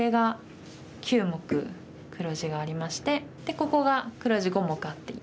ここが黒地５目あって。